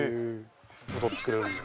踊ってくれるんだ。